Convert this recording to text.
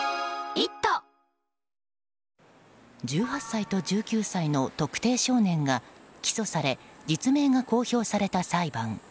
１８歳と１９歳の特定少年が起訴され実名が公表された裁判。